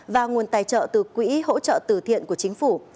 và nguồn tài trợ từ quỹ hỗ trợ từ thiện của chính phủ